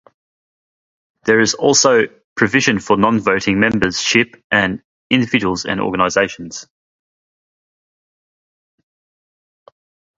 There is also provision for non-voting membership by individuals and organisations.